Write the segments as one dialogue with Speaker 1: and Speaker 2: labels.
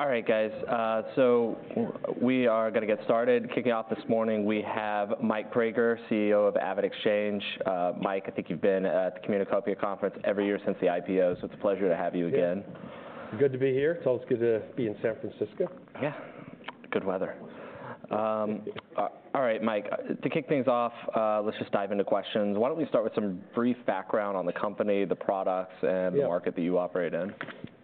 Speaker 1: All right, guys. So we are gonna get started. Kicking off this morning, we have Mike Praeger, CEO of AvidXchange. Mike, I think you've been at the Communacopia Conference every year since the IPO, so it's a pleasure to have you again.
Speaker 2: Yeah. Good to be here. It's always good to be in San Francisco.
Speaker 1: Yeah, good weather. All right, Mike, to kick things off, let's just dive into questions. Why don't we start with some brief background on the company, the products, and-
Speaker 2: Yeah
Speaker 1: the market that you operate in?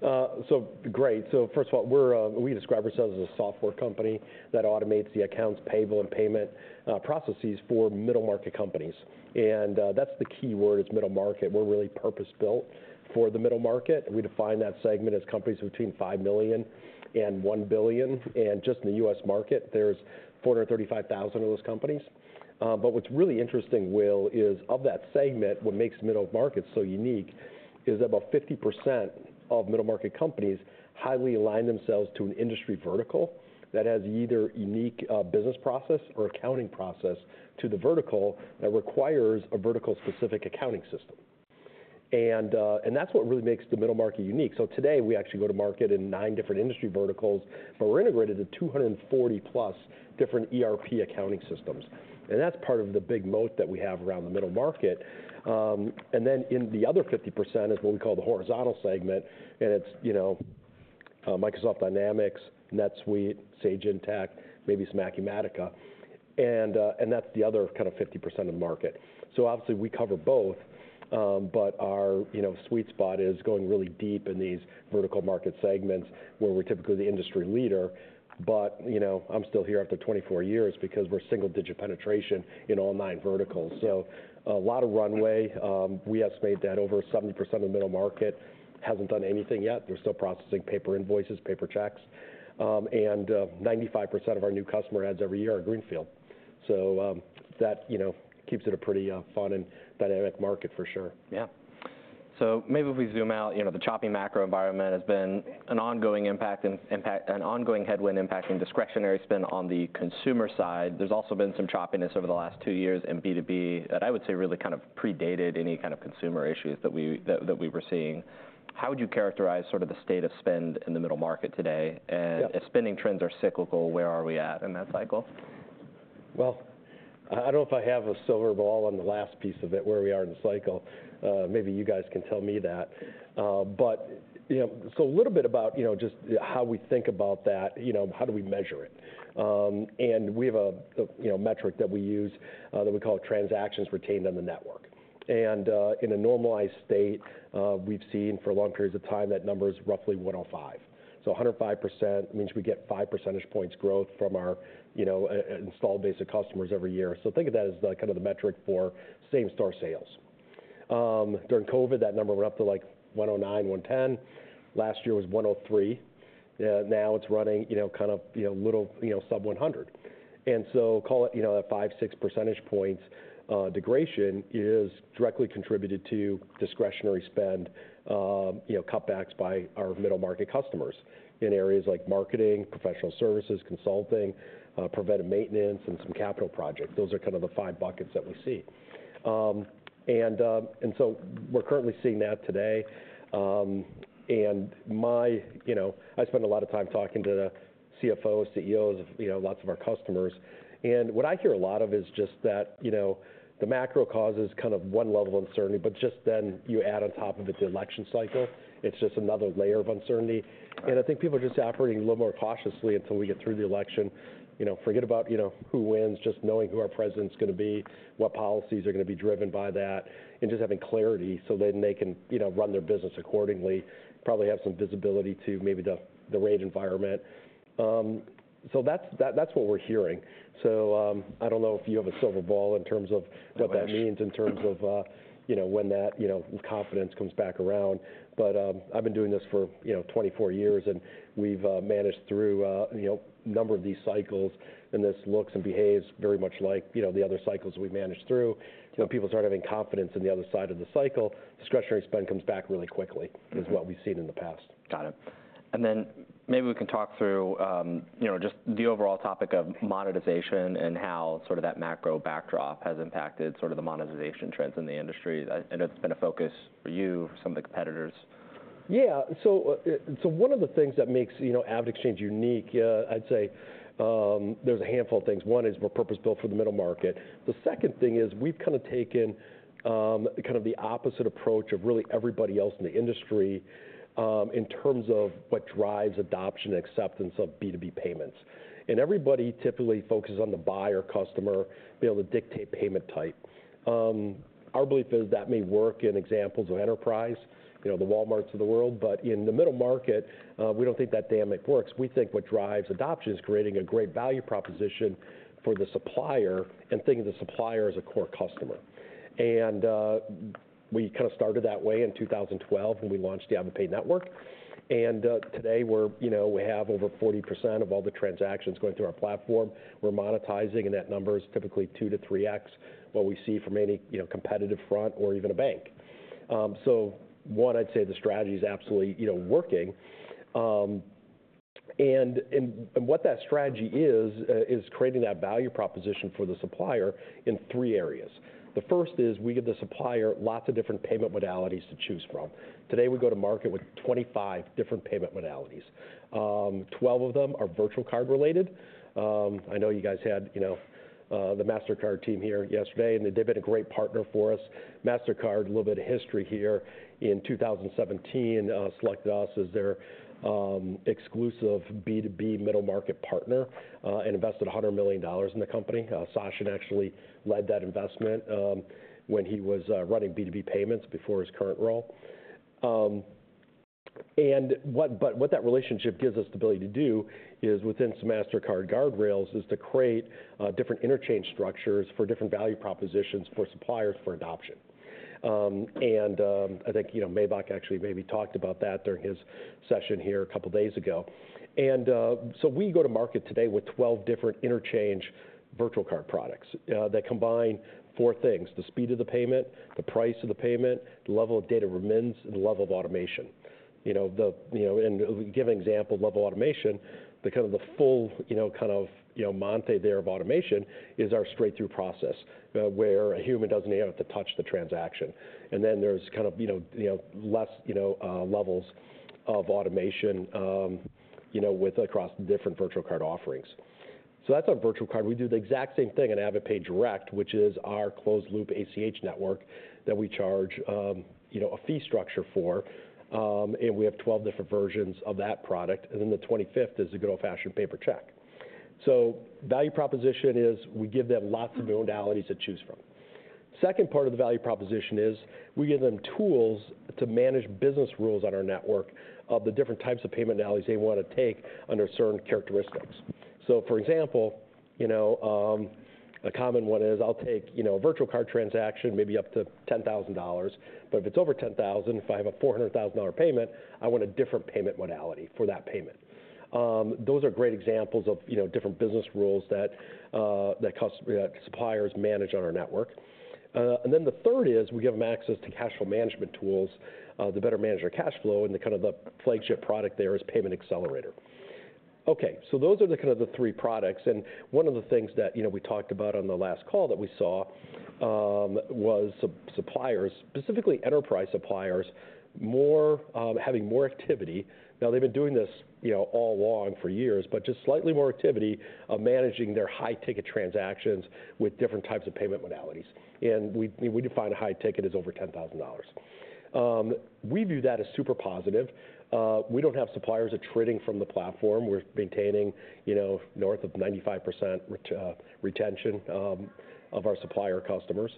Speaker 2: So great. So first of all, we describe ourselves as a software company that automates the accounts payable and payment processes for middle market companies. And that's the key word, is middle market. We're really purpose-built for the middle market, and we define that segment as companies between $5 million and $1 billion. And just in the U.S. market, there's 435,000 of those companies. But what's really interesting, Will, is of that segment, what makes middle markets so unique is about 50% of middle-market companies highly align themselves to an industry vertical that has either unique business process or accounting process to the vertical that requires a vertical-specific accounting system. And that's what really makes the middle market unique. So today, we actually go to market in nine different industry verticals, but we're integrated to 240+ different ERP accounting systems, and that's part of the big moat that we have around the middle market, and then in the other 50% is what we call the horizontal segment, and it's, you know, Microsoft Dynamics, NetSuite, Sage Intacct, maybe some Acumatica, and that's the other kind of 50% of the market. So obviously, we cover both, but our, you know, sweet spot is going really deep in these vertical market segments, where we're typically the industry leader, but, you know, I'm still here after 24 years because we're single-digit penetration in all nine verticals, so a lot of runway. We estimate that over 70% of the middle market hasn't done anything yet. They're still processing paper invoices, paper checks. Ninety-five percent of our new customer adds every year are greenfield. So, that, you know, keeps it a pretty, fun and dynamic market for sure.
Speaker 1: Yeah. So maybe if we zoom out, you know, the choppy macro environment has been an ongoing impact -- an ongoing headwind impacting discretionary spend on the consumer side. There's also been some choppiness over the last two years in B2B, that I would say really kind of predated any kind of consumer issues that we were seeing. How would you characterize sort of the state of spend in the middle market today?
Speaker 2: Yeah.
Speaker 1: If spending trends are cyclical, where are we at in that cycle?
Speaker 2: I don't know if I have a silver bullet on the last piece of it, where we are in the cycle. Maybe you guys can tell me that. You know, so a little bit about, you know, just how we think about that, you know, how do we measure it? We have a, you know, metric that we use that we call transactions retained on the network. In a normalized state, we've seen for long periods of time, that number is roughly 105. So 105% means we get five percentage points growth from our, you know, installed base of customers every year. So think of that as, you know, kind of the metric for same-store sales. During COVID, that number went up to, like, 109, 110. Last year was one oh three. Now it's running, you know, kind of, you know, little, you know, sub one hundred, and so call it, you know, a five-six percentage points degradation is directly contributed to discretionary spend, you know, cutbacks by our middle-market customers in areas like marketing, professional services, consulting, preventive maintenance, and some capital projects. Those are kind of the five buckets that we see, and so we're currently seeing that today. You know, I spend a lot of time talking to the CFOs, CEOs of, you know, lots of our customers, and what I hear a lot of is just that, you know, the macro causes kind of one level of uncertainty, but just then you add on top of it the election cycle, it's just another layer of uncertainty.
Speaker 1: Right.
Speaker 2: I think people are just operating a little more cautiously until we get through the election. You know, forget about, you know, who wins, just knowing who our president's gonna be, what policies are gonna be driven by that, and just having clarity so then they can, you know, run their business accordingly, probably have some visibility to maybe the rate environment. So, that's what we're hearing. I don't know if you have a crystal ball in terms of-
Speaker 1: I wish
Speaker 2: - what that means in terms of, you know, when that, you know, confidence comes back around. But, I've been doing this for, you know, twenty-four years, and we've managed through, you know, a number of these cycles, and this looks and behaves very much like, you know, the other cycles we've managed through. You know, people start having confidence in the other side of the cycle, discretionary spend comes back really quickly is what we've seen in the past.
Speaker 1: Got it. And then maybe we can talk through, you know, just the overall topic of monetization and how sort of that macro backdrop has impacted sort of the monetization trends in the industry, and it's been a focus for you, some of the competitors.
Speaker 2: Yeah. So, so one of the things that makes, you know, AvidXchange unique, I'd say, there's a handful of things. One is we're purpose-built for the middle market. The second thing is we've kind of taken, kind of the opposite approach of really everybody else in the industry, in terms of what drives adoption and acceptance of B2B payments. And everybody typically focuses on the buyer customer, be able to dictate payment type. Our belief is that may work in examples of enterprise, you know, the Walmarts of the world, but in the middle market, we don't think that dynamic works. We think what drives adoption is creating a great value proposition for the supplier and thinking of the supplier as a core customer. And, we kind of started that way in 2012, when we launched the AvidPay Network. And today we're, you know, we have over 40% of all the transactions going through our platform. We're monetizing, and that number is typically 2-3X what we see from any, you know, competitive front or even a bank. So one, I'd say the strategy is absolutely, you know, working. And what that strategy is is creating that value proposition for the supplier in three areas. The first is we give the supplier lots of different payment modalities to choose from. Today, we go to market with 25 different payment modalities. Twelve of them are virtual card related. I know you guys had, you know, the Mastercard team here yesterday, and they've been a great partner for us. Mastercard, a little bit of history here, in 2017, selected us as their exclusive B2B middle-market partner and invested $100 million in the company. Sachin actually led that investment when he was running B2B payments before his current role. And what that relationship gives us the ability to do is, within some Mastercard guardrails, is to create different interchange structures for different value propositions for suppliers for adoption. And I think, you know, Miebach actually maybe talked about that during his session here a couple of days ago. So we go to market today with 12 different interchange virtual card products that combine four things: the speed of the payment, the price of the payment, the level of data remittance, and the level of automation. You know, and give an example of level automation, the kind of the full monty thereof of automation is our straight-through process, where a human doesn't have to touch the transaction. And then there's kind of, you know, less levels of automation, with across different virtual card offerings. So that's on virtual card. We do the exact same thing on AvidPay Direct, which is our closed loop ACH network that we charge a fee structure for, and we have 12 different versions of that product, and then the 25th is a good old-fashioned paper check. So value proposition is we give them lots of modalities to choose from. Second part of the value proposition is we give them tools to manage business rules on our network of the different types of payment modalities they want to take under certain characteristics. So for example, you know, a common one is I'll take, you know, a virtual card transaction maybe up to $10,000, but if it's over $10,000, if I have a $400,000 payment, I want a different payment modality for that payment. Those are great examples of, you know, different business rules that suppliers manage on our network. And then the third is we give them access to cash flow management tools to better manage their cash flow, and the kind of flagship product there is Payment Accelerator. Okay, so those are the kind of the three products, and one of the things that, you know, we talked about on the last call that we saw, was suppliers, specifically enterprise suppliers, more having more activity. Now, they've been doing this, you know, all along for years, but just slightly more activity of managing their high-ticket transactions with different types of payment modalities. And we, we define a high ticket as over $10,000. We view that as super positive. We don't have suppliers attriting from the platform. We're maintaining, you know, north of 95% retention of our supplier customers.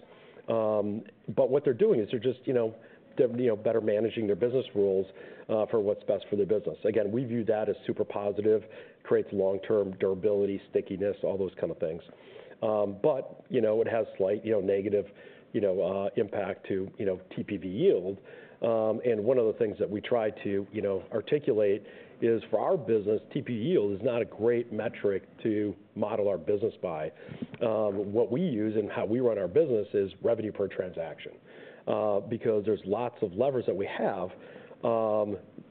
Speaker 2: But what they're doing is they're just, you know, better managing their business rules for what's best for their business. Again, we view that as super positive, creates long-term durability, stickiness, all those kind of things. But, you know, it has slight, you know, negative, you know, impact to, you know, TPV yield. And one of the things that we try to, you know, articulate is for our business, TP yield is not a great metric to model our business by. What we use and how we run our business is revenue per transaction, because there's lots of levers that we have,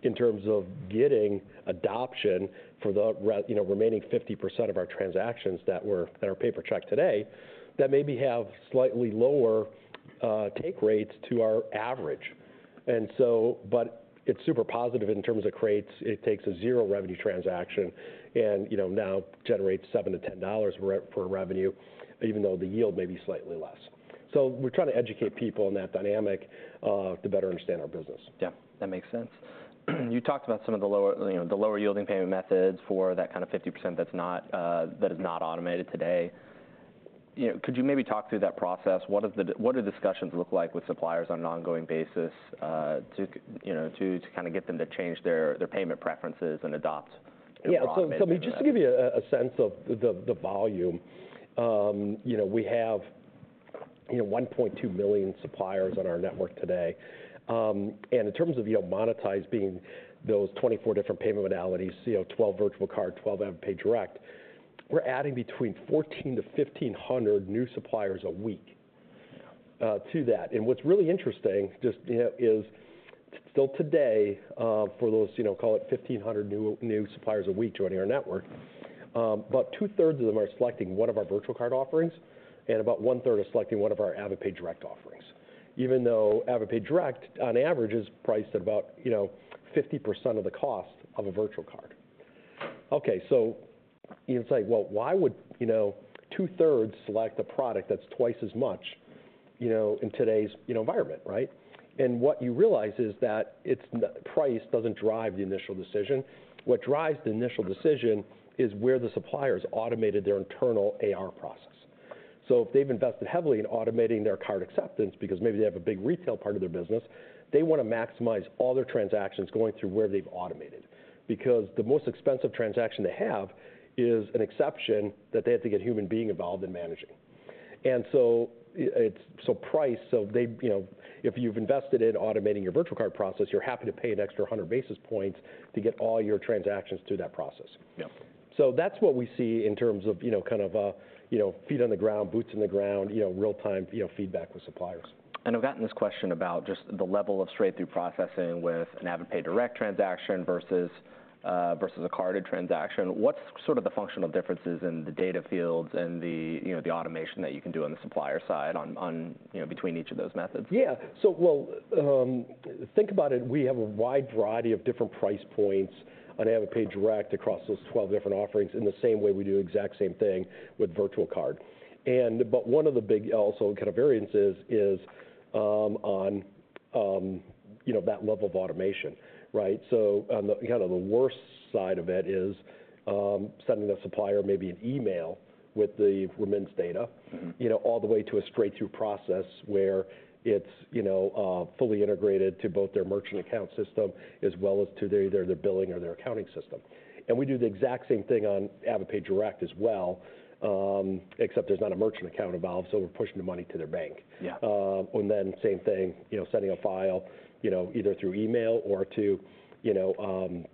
Speaker 2: in terms of getting adoption for the re- you know, remaining 50% of our transactions that were, that are paper check today, that maybe have slightly lower, take rates to our average. It's super positive in terms of it creates, it takes a zero revenue transaction and, you know, now generates $7-$10 for revenue, even though the yield may be slightly less. We're trying to educate people on that dynamic to better understand our business.
Speaker 1: Yeah, that makes sense. You talked about some of the lower, you know, the lower-yielding payment methods for that kind of 50% that's not, that is not automated today. You know, could you maybe talk through that process? What are the, what do discussions look like with suppliers on an ongoing basis, to, you know, to kind of get them to change their payment preferences and adopt-
Speaker 2: Yeah.
Speaker 1: -more automated?
Speaker 2: So just to give you a sense of the volume, you know, we have 1.2 million suppliers on our network today. And in terms of monetizing those 24 different payment modalities, you know, 12 virtual card, 12 AvidPay Direct, we're adding between 1,400 to 1,500 new suppliers a week to that. And what's really interesting just, you know, is still today, for those, you know, call it 1,500 new suppliers a week joining our network, about two-thirds of them are selecting one of our virtual card offerings, and about one-third are selecting one of our AvidPay Direct offerings. Even though AvidPay Direct, on average, is priced at about, you know, 50% of the cost of a virtual card. Okay, so you can say, well, why would, you know, two-thirds select a product that's twice as much, you know, in today's, you know, environment, right? And what you realize is that it's not. Price doesn't drive the initial decision. What drives the initial decision is where the suppliers automated their internal AR process. So if they've invested heavily in automating their card acceptance because maybe they have a big retail part of their business, they want to maximize all their transactions going through where they've automated. Because the most expensive transaction they have is an exception that they have to get human being involved in managing. And so, it's, so price, so they, you know, if you've invested in automating your virtual card process, you're happy to pay an extra hundred basis points to get all your transactions through that process.
Speaker 1: Yeah.
Speaker 2: So that's what we see in terms of, you know, kind of, you know, feet on the ground, boots on the ground, you know, real-time, you know, feedback with suppliers.
Speaker 1: I've gotten this question about just the level of straight-through processing with an AvidPay Direct transaction versus a carded transaction. What's sort of the functional differences in the data fields and the, you know, the automation that you can do on the supplier side on, on, you know, between each of those methods?
Speaker 2: Yeah. Think about it, we have a wide variety of different price points on AvidPay Direct across those 12 different offerings, in the same way we do the exact same thing with virtual card. But one of the big also kind of variances is on you know that level of automation, right? On the kind of the worst side of it is sending a supplier maybe an email with the remittance data. you know, all the way to a straight-through process, where it's, you know, fully integrated to both their merchant account system as well as to either their billing or their accounting system. And we do the exact same thing on AvidPay Direct as well, except there's not a merchant account involved, so we're pushing the money to their bank.
Speaker 1: Yeah.
Speaker 2: And then same thing, you know, sending a file, you know, either through email or to, you know,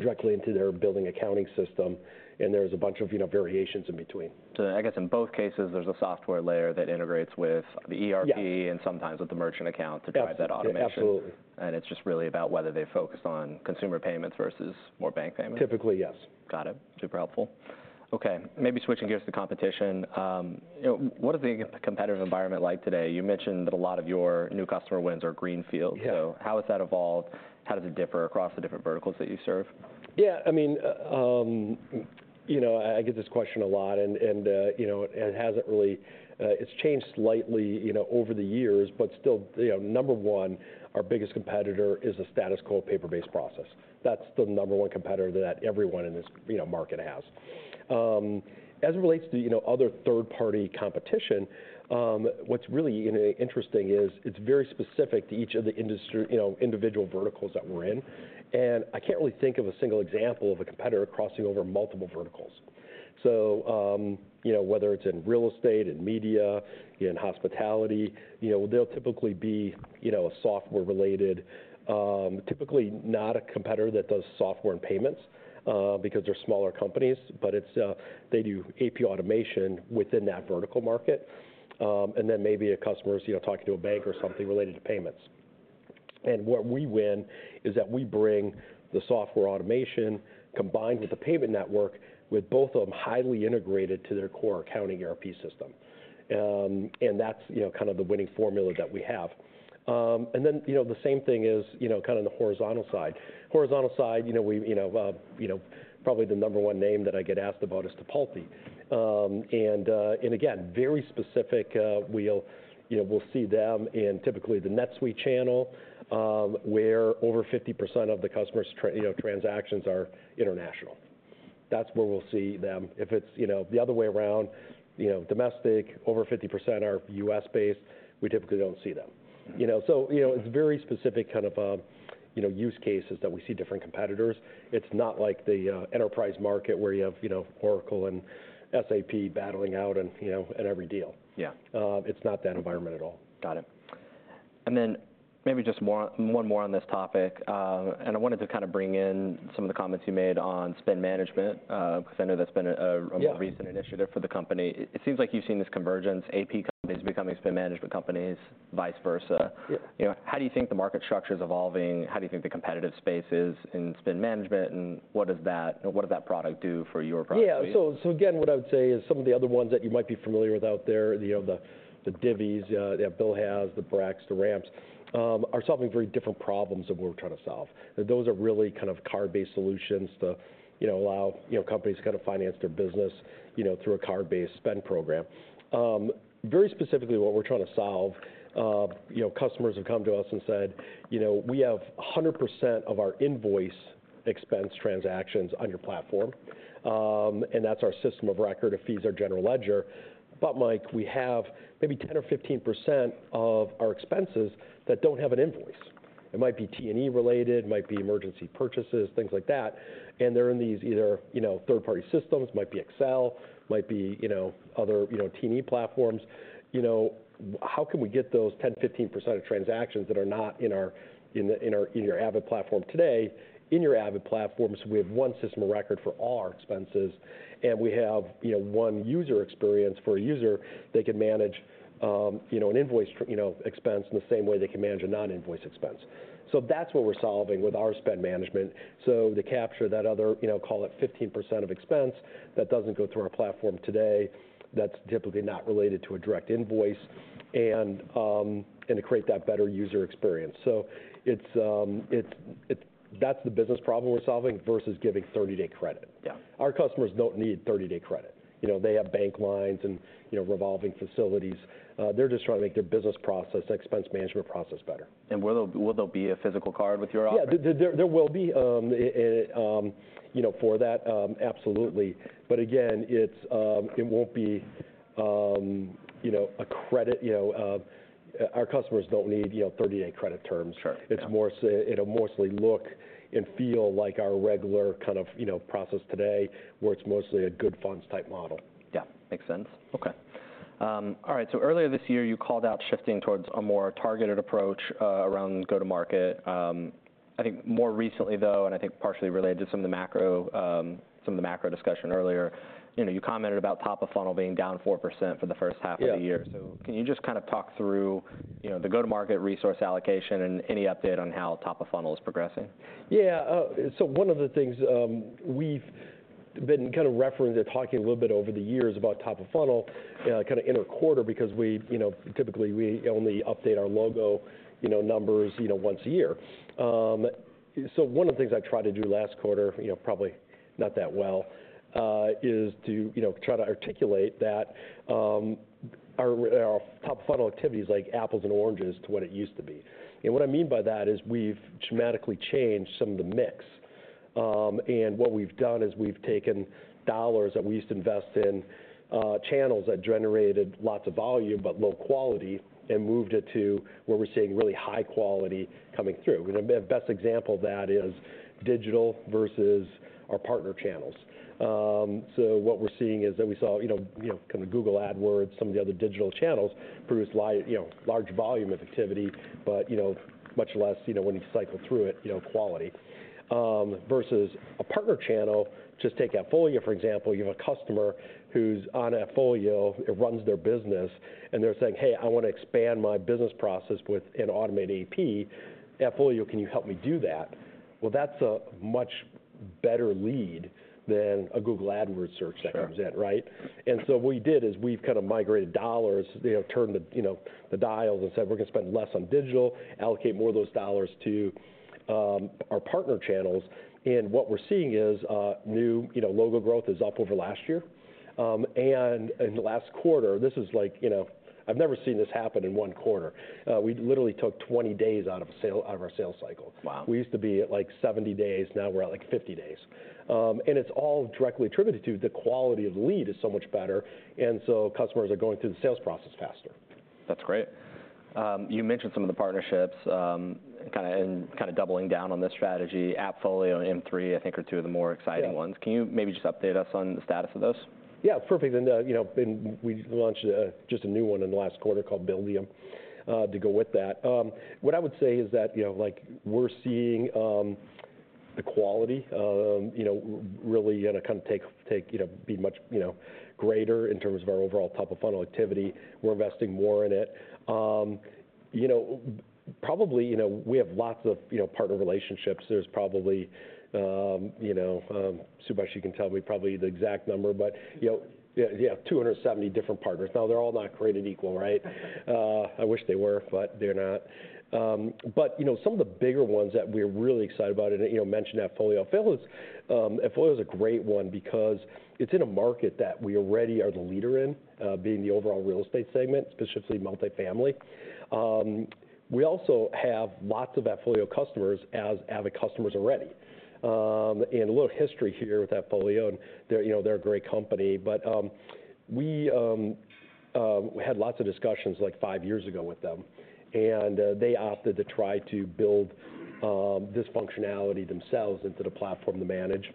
Speaker 2: directly into their billing accounting system, and there's a bunch of, you know, variations in between.
Speaker 1: So I guess in both cases, there's a software layer that integrates with the ERP.
Speaker 2: Yeah...
Speaker 1: and sometimes with the merchant account to drive that automation.
Speaker 2: Absolutely.
Speaker 1: It's just really about whether they focus on consumer payments versus more bank payments?
Speaker 2: Typically, yes.
Speaker 1: Got it. Super helpful. Okay, maybe switching gears to competition. You know, what is the competitive environment like today? You mentioned that a lot of your new customer wins are greenfield.
Speaker 2: Yeah.
Speaker 1: So how has that evolved? How does it differ across the different verticals that you serve?
Speaker 2: Yeah, I mean, you know, I get this question a lot, and, you know, and it hasn't really. It's changed slightly, you know, over the years, but still, you know, number one, our biggest competitor is a status quo paper-based process. That's the number one competitor that everyone in this, you know, market has. As it relates to, you know, other third-party competition, what's really, you know, interesting is it's very specific to each of the industry, you know, individual verticals that we're in. And I can't really think of a single example of a competitor crossing over multiple verticals. So, you know, whether it's in real estate, in media, in hospitality, you know, they'll typically be, you know, a software related. Typically not a competitor that does software and payments, because they're smaller companies, but it's, they do AP automation within that vertical market. And then maybe a customer is, you know, talking to a bank or something related to payments. And where we win is that we bring the software automation combined with the payment network, with both of them highly integrated to their core accounting ERP system. And that's, you know, kind of the winning formula that we have. And then, you know, the same thing is, you know, kind of on the horizontal side. Horizontal side, you know, we, you know, probably the number one name that I get asked about is Tipalti. Again, very specific. You know, we'll see them in typically the NetSuite channel, where over 50% of the customers' transactions are international. That's where we'll see them. If it's, you know, the other way around, you know, domestic, over 50% are U.S.-based, we typically don't see them. You know, so, you know, it's very specific kind of use cases that we see different competitors. It's not like the enterprise market where you have, you know, Oracle and SAP battling out and, you know, at every deal.
Speaker 1: Yeah.
Speaker 2: It's not that environment at all.
Speaker 1: Got it. And then maybe just one more on this topic, and I wanted to kind of bring in some of the comments you made on spend management, because I know that's been a more-
Speaker 2: Yeah...
Speaker 1: recent initiative for the company. It seems like you've seen this convergence, AP companies becoming spend management companies, vice versa.
Speaker 2: Yeah.
Speaker 1: You know, how do you think the market structure is evolving? How do you think the competitive space is in spend management, and what does that... what does that product do for your product?
Speaker 2: Yeah. So again, what I would say is some of the other ones that you might be familiar with out there, you know, the Divvy that Bill has, the Brex, the Ramp are solving very different problems than we're trying to solve. Those are really kind of card-based solutions to, you know, allow, you know, companies to kind of finance their business, you know, through a card-based spend program. Very specifically, what we're trying to solve, you know, customers have come to us and said, "You know, we have 100% of our invoice expense transactions on your platform, and that's our system of record. It feeds our general ledger. But Mike, we have maybe 10 or 15% of our expenses that don't have an invoice. It might be T&E-related, might be emergency purchases, things like that, and they're in these either, you know, third-party systems, might be Excel, might be, you know, other, you know, T&E platforms. You know, how can we get those 10-15% of transactions that are not in our Avid platform today, so we have one system of record for all our expenses, and we have, you know, one user experience for a user that can manage, you know, an invoice, you know, expense in the same way they can manage a non-invoice expense? So that's what we're solving with our spend management. So to capture that other, you know, call it 15% of expense that doesn't go through our platform today, that's typically not related to a direct invoice, and to create that better user experience. So it's that's the business problem we're solving versus giving 30-day credit.
Speaker 1: Yeah.
Speaker 2: Our customers don't need thirty-day credit. You know, they have bank lines and, you know, revolving facilities. They're just trying to make their business process and expense management process better.
Speaker 1: Will there be a physical card with your offer?
Speaker 2: Yeah. There will be, you know, for that, absolutely. But again, it's... it won't be, you know, a credit, you know... Our customers don't need, you know, thirty-day credit terms.
Speaker 1: Sure.
Speaker 2: It's more so. It'll mostly look and feel like our regular kind of, you know, process today, where it's mostly a good funds type model.
Speaker 1: Yeah, makes sense. Okay. All right, so earlier this year, you called out shifting towards a more targeted approach around go-to-market. I think more recently, though, and I think partially related to some of the macro, some of the macro discussion earlier, you know, you commented about top of funnel being down 4% for the first half of the year.
Speaker 2: Yeah.
Speaker 1: So can you just kind of talk through, you know, the go-to-market resource allocation and any update on how top of funnel is progressing?
Speaker 2: Yeah, so one of the things, we've been kind of referencing or talking a little bit over the years about top of funnel, kind of inter-quarter, because we, you know, typically, we only update our logo, you know, numbers, you know, once a year, so one of the things I tried to do last quarter, you know, probably not that well, is to, you know, try to articulate that, our top funnel activity is like apples and oranges to what it used to be, and what I mean by that is we've dramatically changed some of the mix, and what we've done is we've taken dollars that we used to invest in, channels that generated lots of volume, but low quality, and moved it to where we're seeing really high quality coming through. And the best example of that is digital versus our partner channels. So what we're seeing is that we saw, you know, kind of Google AdWords, some of the other digital channels, produce large volume of activity, but, you know, much less, you know, when you cycle through it, you know, quality. Versus a partner channel, just take AppFolio, for example. You have a customer who's on AppFolio, it runs their business, and they're saying, "Hey, I want to expand my business process with an automated AP. AppFolio, can you help me do that?" Well, that's a much better lead than a Google AdWords search that comes in.
Speaker 1: Sure.
Speaker 2: Right? And so what we did is we've kind of migrated dollars, you know, turned the, you know, the dials and said, "We're going to spend less on digital, allocate more of those dollars to our partner channels." And what we're seeing is new, you know, logo growth is up over last year. And in the last quarter, this is like, you know, I've never seen this happen in one quarter. We literally took twenty days out of our sales cycle.
Speaker 1: Wow!
Speaker 2: We used to be at, like, 70 days, now we're at, like, 50 days. And it's all directly attributed to the quality of lead is so much better, and so customers are going through the sales process faster.
Speaker 1: That's great. You mentioned some of the partnerships, kind of, and kind of doubling down on this strategy. AppFolio and M3, I think, are two of the more exciting ones.
Speaker 2: Yeah.
Speaker 1: Can you maybe just update us on the status of those?
Speaker 2: Yeah, perfectly. And, you know, and we launched just a new one in the last quarter called Buildium to go with that. What I would say is that, you know, like, we're seeing the quality, you know, really gonna kind of take... You know, be much, you know, greater in terms of our overall top-of-funnel activity. We're investing more in it. You know, probably, you know, we have lots of, you know, partner relationships. There's probably, you know, Subhaash can tell me probably the exact number, but, you know, yeah, two hundred and seventy different partners. Now, they're all not created equal, right? I wish they were, but they're not. But, you know, some of the bigger ones that we're really excited about and, you know, mentioned AppFolio. AppFolio is a great one because it's in a market that we already are the leader in, being the overall real estate segment, specifically multifamily. We also have lots of AppFolio customers as Avid customers already. And a little history here with AppFolio, and, you know, they're a great company, but, we had lots of discussions, like, five years ago with them, and, they opted to try to build this functionality themselves into the platform to manage.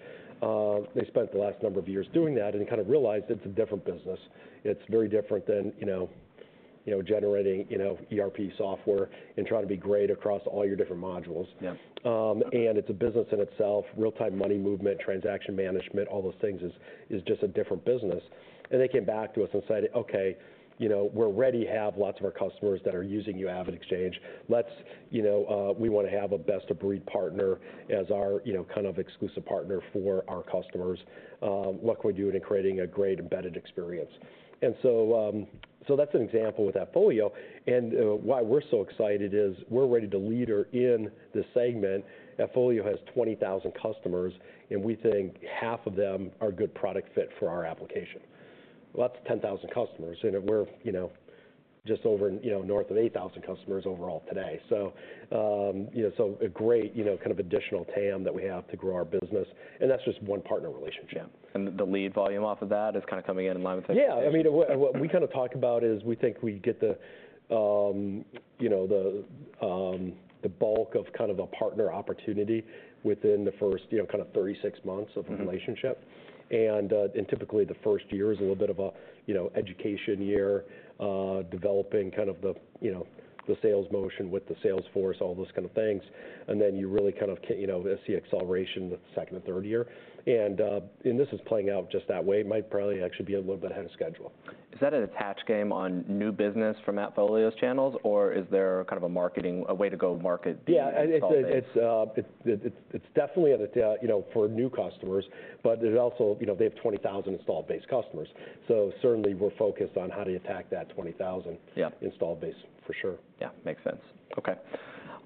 Speaker 2: They spent the last number of years doing that and kind of realized it's a different business. It's very different than, you know, generating, you know, ERP software and trying to be great across all your different modules.
Speaker 1: Yeah. And it's a business in itself, real-time money movement, transaction management, all those things is just a different business. And they came back to us and said: "Okay, you know, we already have lots of our customers that are using your AvidXchange. Let's, you know, we want to have a best-of-breed partner as our, you know, kind of exclusive partner for our customers. What can we do in creating a great embedded experience?" And so, so that's an example with AppFolio, and why we're so excited is we're a leader in this segment. AppFolio has 20,000 customers, and we think half of them are good product fit for our application. Well, that's 10,000 customers, and we're, you know, just over, you know, north of 8,000 customers overall today.
Speaker 2: You know, so a great, you know, kind of additional TAM that we have to grow our business, and that's just one partner relationship.
Speaker 1: Yeah, and the lead volume off of that is kind of coming in line with that?
Speaker 2: Yeah. I mean, what we kind of talk about is we think we get the, you know, the bulk of kind of the partner opportunity within the first, you know, kind of thirty-six months.
Speaker 1: Mm-hmm...
Speaker 2: of the relationship. And typically, the first year is a little bit of a, you know, education year, developing kind of the, you know, the sales motion with the sales force, all those kind of things. And then you really kind of, you know, see acceleration the second or third year. And this is playing out just that way. It might probably actually be a little bit ahead of schedule.
Speaker 1: Is that an attach game on new business from AppFolio's channels, or is there kind of a marketing- a way to go market the installed base?
Speaker 2: Yeah, it's definitely a, you know, for new customers, but it also... You know, they have 20,000 installed base customers, so certainly, we're focused on how to attack that 20,000-
Speaker 1: Yeah...
Speaker 2: installed base, for sure.
Speaker 1: Yeah, makes sense. Okay.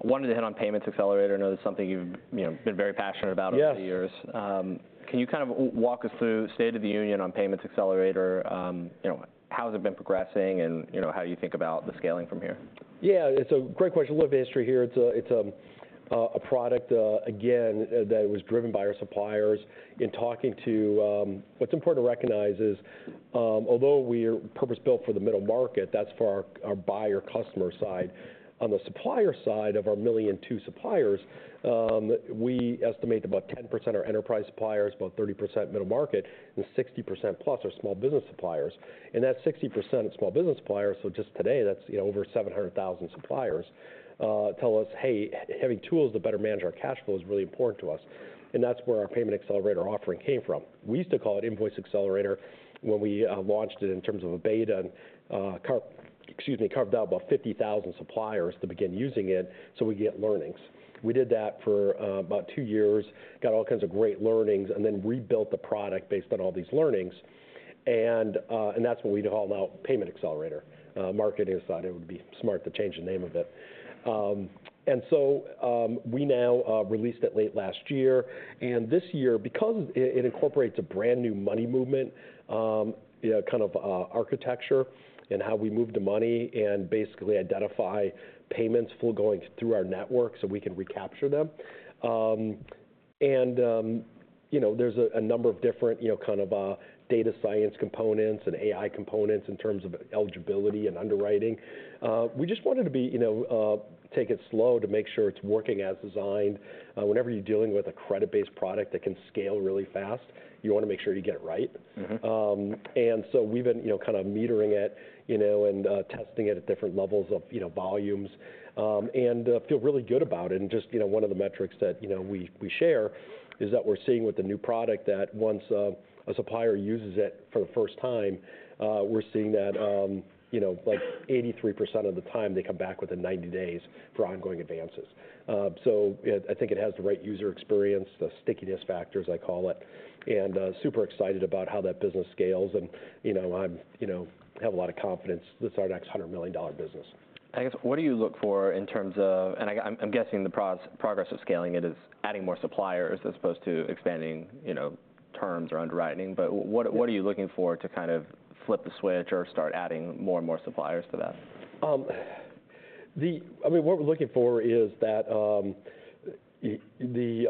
Speaker 1: I wanted to hit on Payment Accelerator. I know that's something you've, you know, been very passionate about-
Speaker 2: Yes...
Speaker 1: over the years. Can you kind of walk us through the state of the union on Payment Accelerator? You know, how has it been progressing and, you know, how you think about the scaling from here?
Speaker 2: Yeah, it's a great question. A little history here. It's a product, again, that was driven by our suppliers. In talking to -- what's important to recognize is, although we are purpose-built for the middle market, that's for our buyer customer side. On the supplier side of our 1.2 million suppliers, we estimate about 10% are enterprise suppliers, about 30% middle market, and 60% plus are small business suppliers. And that 60% of small business suppliers, so just today, that's, you know, over 700,000 suppliers tell us, "Hey, having tools to better manage our cash flow is really important to us." And that's where our Payment Accelerator offering came from. We used to call it Invoice Accelerator when we launched it in terms of a beta and carved out about 50,000 suppliers to begin using it, so we get learnings. We did that for about two years, got all kinds of great learnings, and then rebuilt the product based on all these learnings. That's what we call now Payment Accelerator. Marketing thought it would be smart to change the name of it. And so we now released it late last year, and this year, because it incorporates a brand-new money movement, you know, kind of architecture, and how we move the money and basically identify payments flow going through our network so we can recapture them. You know, there's a number of different, you know, kind of, data science components and AI components in terms of eligibility and underwriting. We just wanted to be, you know, take it slow to make sure it's working as designed. Whenever you're dealing with a credit-based product that can scale really fast, you want to make sure you get it right.
Speaker 1: Mm-hmm.
Speaker 2: And so we've been, you know, kind of metering it, you know, and testing it at different levels of, you know, volumes. And feel really good about it. And just, you know, one of the metrics that, you know, we share is that we're seeing with the new product that once a supplier uses it for the first time, we're seeing that, you know, like 83% of the time, they come back within 90 days for ongoing advances. So yeah, I think it has the right user experience, the stickiness factor, as I call it, and super excited about how that business scales. And, you know, I'm... You know, have a lot of confidence that it's our next $100 million business.
Speaker 1: I guess, what do you look for in terms of-- and I'm guessing the progress of scaling it is adding more suppliers as opposed to expanding, you know, terms or underwriting. But what are you looking for to kind of flip the switch or start adding more and more suppliers to that?
Speaker 2: I mean, what we're looking for is that the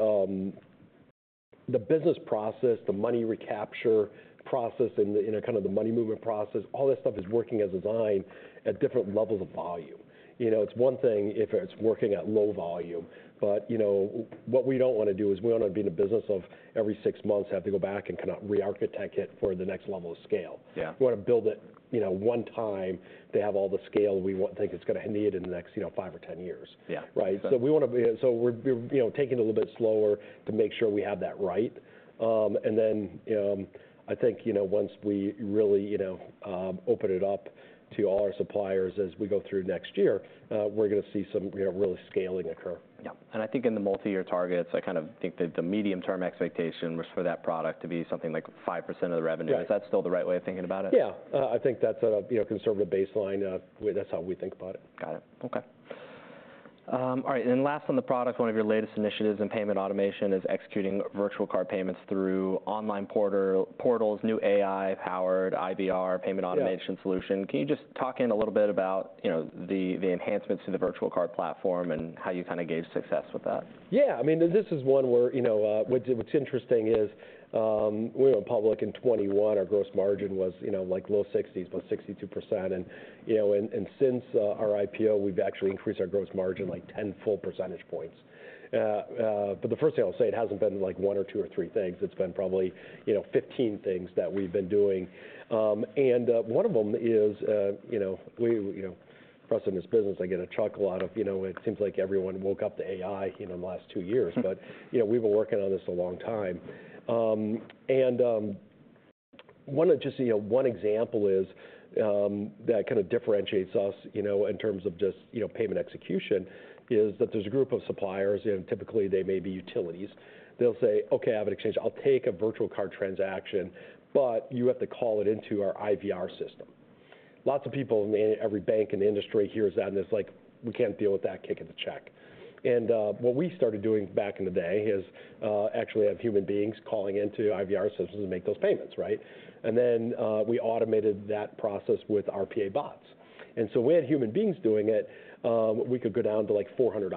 Speaker 2: business process, the money recapture process, and the, you know, kind of the money movement process, all that stuff is working as designed at different levels of volume. You know, it's one thing if it's working at low volume, but, you know, what we don't want to do is, we don't want to be in the business of every six months have to go back and kind of re-architect it for the next level of scale.
Speaker 1: Yeah.
Speaker 2: We want to build it, you know, one time to have all the scale we think it's gonna need in the next, you know, five or 10 years.
Speaker 1: Yeah.
Speaker 2: Right? So we're, you know, taking it a little bit slower to make sure we have that right. And then, I think, you know, once we really, you know, open it up to all our suppliers as we go through next year, we're gonna see some, you know, really scaling occur.
Speaker 1: Yeah, and I think in the multiyear targets, I kind of think that the medium-term expectation was for that product to be something like 5% of the revenue.
Speaker 2: Yeah.
Speaker 1: Is that still the right way of thinking about it?
Speaker 2: Yeah. I think that's a, you know, conservative baseline. That's how we think about it.
Speaker 1: Got it. Okay. All right, and last on the product, one of your latest initiatives in payment automation is executing virtual card payments through online partner portals, new AI-powered IVR-
Speaker 2: Yeah...
Speaker 1: payment automation solution. Can you just talk in a little bit about, you know, the enhancements to the virtual card platform and how you kind of gauge success with that?
Speaker 2: Yeah. I mean, this is one where, you know, what, what's interesting is, we went public in 2021. Our gross margin was, you know, like low sixties, about 62%. And, you know, and since our IPO, we've actually increased our gross margin, like 10 full percentage points. But the first thing I'll say, it hasn't been, like, one or two or three things. It's been probably, you know, 15 things that we've been doing. And, one of them is, you know, we, you know, for us in this business, I get a chuckle out of, you know, it seems like everyone woke up to AI, you know, in the last two years. But, you know, we've been working on this a long time. One example is, you know, that kind of differentiates us, you know, in terms of just, you know, payment execution, is that there's a group of suppliers, and typically they may be utilities. They'll say: "Okay, I have an AvidXchange. I'll take a virtual card transaction, but you have to call it into our IVR system." Lots of people in every bank in the industry hears that, and it's like: We can't deal with that, kick it the check. And what we started doing back in the day is actually have human beings calling into IVR systems to make those payments, right? And then we automated that process with RPA bots. And so we had human beings doing it. We could go down to, like, $400,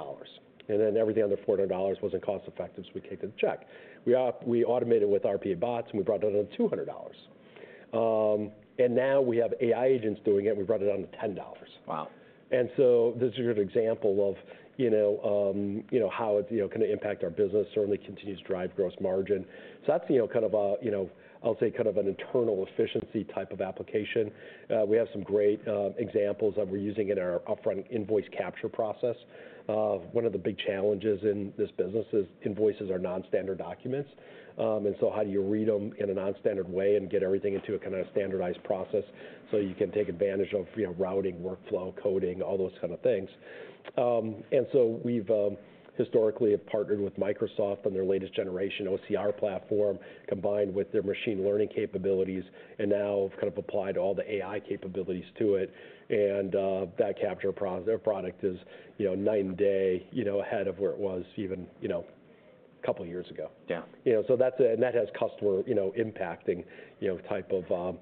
Speaker 2: and then everything under $400 wasn't cost effective, so we kicked it to check. We automated with RPA bots, and we brought it down to $200. And now we have AI agents doing it, and we brought it down to $10.
Speaker 1: Wow!
Speaker 2: This is a good example of, you know, how it, you know, can impact our business. Certainly, continues to drive gross margin. That's, you know, kind of a, I'll say, kind of an internal efficiency type of application. We have some great examples that we're using in our upfront invoice capture process. One of the big challenges in this business is invoices are non-standard documents. How do you read them in a non-standard way and get everything into a kind of standardized process, so you can take advantage of, you know, routing, workflow, coding, all those kind of things? We've historically have partnered with Microsoft on their latest generation OCR platform, combined with their machine learning capabilities, and now we've kind of applied all the AI capabilities to it. That capture their product is, you know, night and day, you know, ahead of where it was even, you know, a couple years ago.
Speaker 1: Yeah.
Speaker 2: You know, so that's, and that has customer, you know, impacting, you know, type of,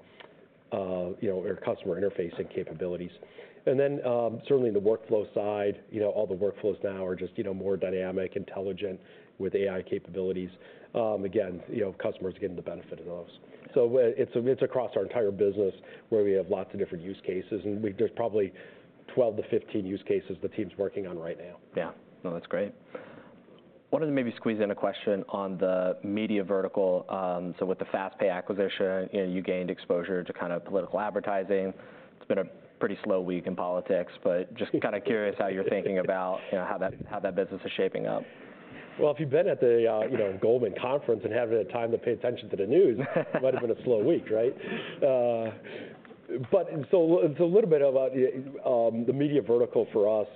Speaker 2: you know, or customer interfacing capabilities. And then, certainly in the workflow side, you know, all the workflows now are just, you know, more dynamic, intelligent, with AI capabilities. Again, you know, customers are getting the benefit of those. So it's across our entire business, where we have lots of different use cases, and there's probably 12-15 use cases the team's working on right now.
Speaker 1: Yeah. No, that's great. Wanted to maybe squeeze in a question on the media vertical. So with the FastPay acquisition, you know, you gained exposure to kind of political advertising. It's been a pretty slow week in politics, but just kind of curious how you're thinking about, you know, how that, how that business is shaping up.
Speaker 2: If you've been at the, you know, Goldman conference and haven't had time to pay attention to the news, it might have been a slow week, right? But and so, so a little bit about the media vertical for us.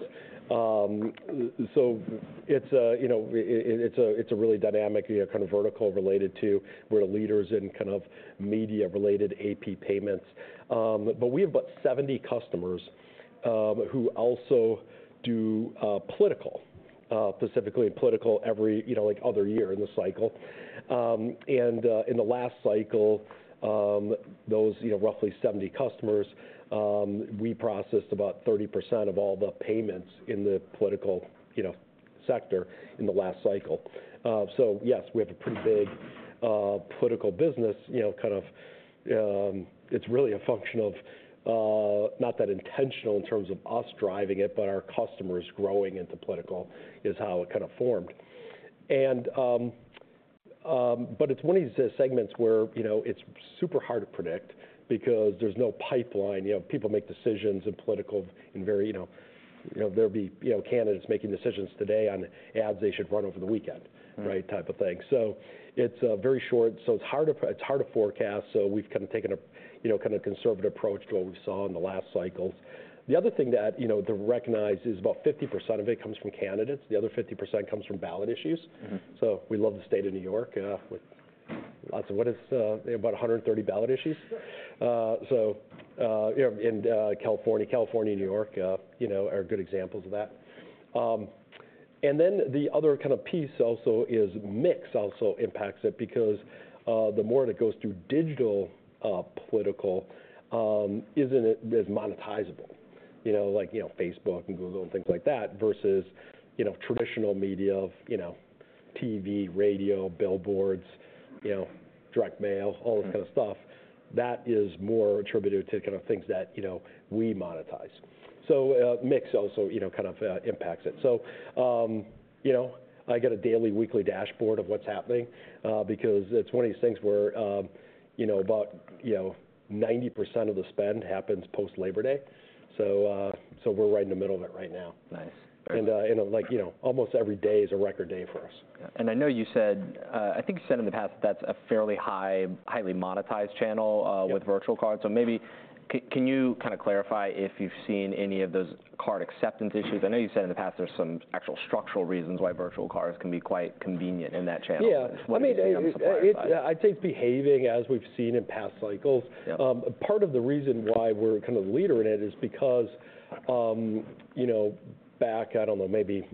Speaker 2: So it's a, you know, really dynamic kind of vertical related to, we're the leaders in kind of media-related AP payments. But we have about 70 customers, who also do political, specifically political every, you know, like other year in the cycle. And in the last cycle, those, you know, roughly 70 customers, we processed about 30% of all the payments in the political, you know, sector in the last cycle. So yes, we have a pretty big political business, you know, kind of. It's really a function of not that intentional in terms of us driving it, but our customers growing into political is how it kind of formed. And, but it's one of these segments where, you know, it's super hard to predict because there's no pipeline. You know, people make decisions in political, in very, you know. You know, there'll be, you know, candidates making decisions today on ads they should run over the weekend-
Speaker 1: Right...
Speaker 2: type of thing. So it's very short, so it's hard to forecast, so we've kind of taken a, you know, kind of conservative approach to what we saw in the last cycles. The other thing that, you know, to recognize is about 50% of it comes from candidates, the other 50% comes from ballot issues.
Speaker 1: Mm-hmm.
Speaker 2: So we love the state of New York, with lots of, what is it? About 130 ballot issues. So, you know, and California, California and New York, you know, are good examples of that. And then the other kind of piece also is mix impacts it because, the more that it goes through digital political, isn't as monetizable. You know, like, you know, Facebook and Google, and things like that, versus, you know, traditional media of, you know, TV, radio, billboards, you know, direct mail-
Speaker 1: Mm-hmm...
Speaker 2: all that kind of stuff, that is more attributed to kind of things that, you know, we monetize. So, mix also, you know, kind of impacts it. So, you know, I get a daily, weekly dashboard of what's happening, because it's one of these things where, you know, about, you know, 90% of the spend happens post Labor Day. So, so we're right in the middle of it right now.
Speaker 1: Nice.
Speaker 2: You know, like, you know, almost every day is a record day for us.
Speaker 1: Yeah. And I know you said, I think you said in the past that's a fairly high, highly monetized channel.
Speaker 2: Yeah...
Speaker 1: with virtual cards. So maybe can you kind of clarify if you've seen any of those card acceptance issues? I know you said in the past there's some actual structural reasons why virtual cards can be quite convenient in that channel.
Speaker 2: Yeah.
Speaker 1: I'm surprised by-
Speaker 2: I'd say it's behaving as we've seen in past cycles.
Speaker 1: Yeah.
Speaker 2: Part of the reason why we're kind of leader in it is because, you know, back, I don't know, maybe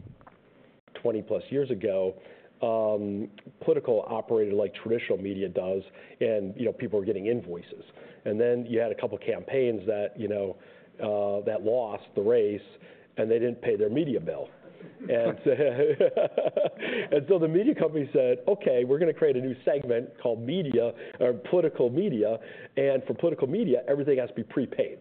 Speaker 2: twenty plus years ago, politics operated like traditional media does, and, you know, people were getting invoices. And then you had a couple campaigns that, you know, that lost the race, and they didn't pay their media bill. And so the media company said, "Okay, we're going to create a new segment called media or political media, and for political media, everything has to be prepaid."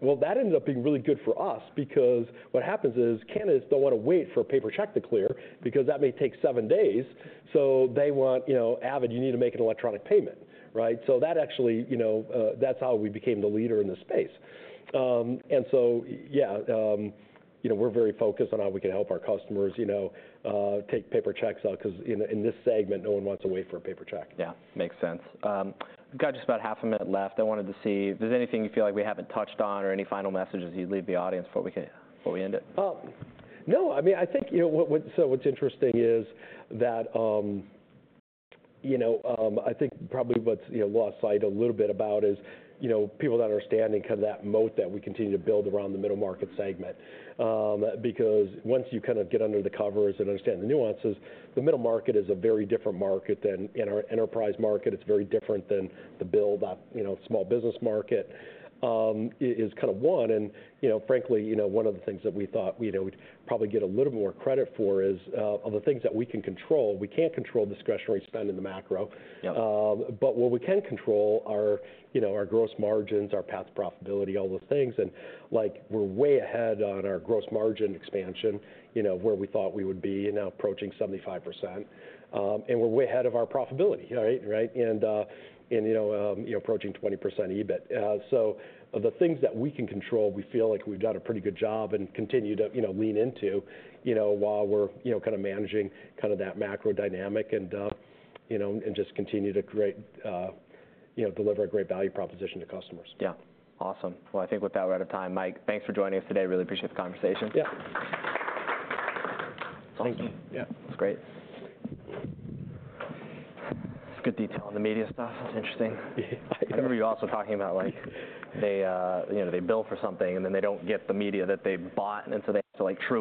Speaker 2: Well, that ended up being really good for us because what happens is, candidates don't want to wait for a paper check to clear, because that may take seven days. So they want, you know, "Avid, you need to make an electronic payment," right? So that actually, you know, that's how we became the leader in the space. Yeah, you know, we're very focused on how we can help our customers, you know, take paper checks out, 'cause in this segment, no one wants to wait for a paper check.
Speaker 1: Yeah, makes sense. We've got just about half a minute left. I wanted to see if there's anything you feel like we haven't touched on or any final messages you'd leave the audience before we end it?
Speaker 2: No, I mean, I think, you know, so what's interesting is that, you know, I think probably what's, you know, lost sight a little bit about is, you know, people don't understand kind of that moat that we continue to build around the middle market segment. Because once you kind of get under the covers and understand the nuances, the middle market is a very different market than in our enterprise market, it's very different than the build-up, you know, small business market, is kind of one. And, you know, frankly, you know, one of the things that we thought, you know, we'd probably get a little more credit for is, are the things that we can control. We can't control discretionary spend in the macro.
Speaker 1: Yeah.
Speaker 2: But what we can control are, you know, our gross margins, our path to profitability, all those things. And like, we're way ahead on our gross margin expansion, you know, where we thought we would be, and now approaching 75%. And we're way ahead of our profitability, right? Right. And, you know, approaching 20% EBIT. So the things that we can control, we feel like we've done a pretty good job and continue to, you know, lean into, you know, while we're, you know, kind of managing kind of that macro dynamic, and, you know, and just continue to create, you know, deliver a great value proposition to customers.
Speaker 1: Yeah. Awesome. Well, I think with that, we're out of time. Mike, thanks for joining us today. Really appreciate the conversation.
Speaker 2: Yeah. Thank you. Yeah.
Speaker 1: It was great. It's good detail on the media stuff. It's interesting.
Speaker 2: Yeah.
Speaker 1: I remember you also talking about like, they, you know, they bill for something, and then they don't get the media that they bought, and so they have to, like, true it.